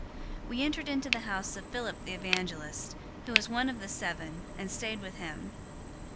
We entered into the house of Philip the evangelist, who was one of the seven, and stayed with him.